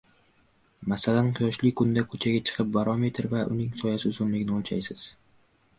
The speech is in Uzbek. – Masalan, quyoshli kunda koʻchaga chiqib, barometr va uning soyasi uzunligini oʻlchaysiz.